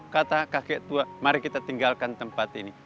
kata kakek tua mari kita tinggalkan tempat ini